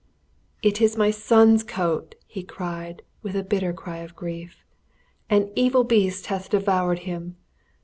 "It is my son's coat!" he cried with a bitter cry of grief; "an evil beast hath devoured him!